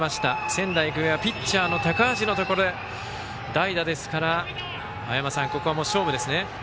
仙台育英はピッチャーの高橋のところへ代打ですからここはもう勝負ですね。